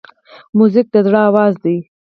موزیک د زړه آواز دی.